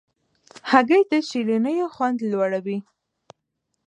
هګۍ د شیرینیو خوند لوړوي.